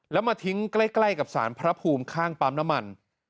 แล้วมาทิ้งใกล้กับสารพระภูมิข้างปั๊มน้ำมัน